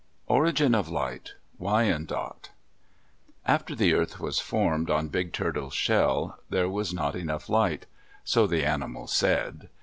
ORIGIN OF LIGHT Wyandot After the earth was formed on Big Turtle's shell, there was not enough light, so the animals said.